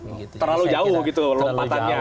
terlalu jauh gitu lompatannya